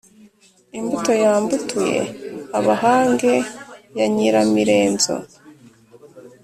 imbuto ya mbutuye abahange ya nyiramirenzo,